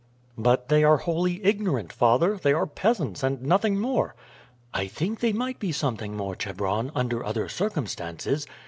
"But they are wholly ignorant, father. They are peasants, and nothing more." "I think they might be something more, Chebron, under other circumstances.